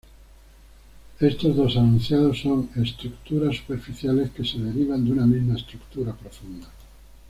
Estos dos enunciados son "estructuras superficiales" que se derivan de una misma "estructura profunda".